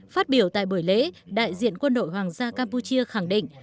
phát biểu tại buổi lễ đại diện quân đội hoàng gia campuchia khẳng định